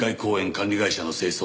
管理会社の清掃